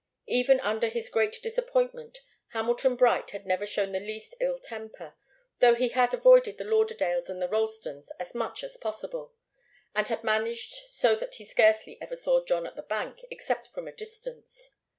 Even under his great disappointment Hamilton Bright had never shown the least ill temper, though he had avoided the Lauderdales and the Ralstons as much as possible, and had managed so that he scarcely ever saw John at the bank except from a distance.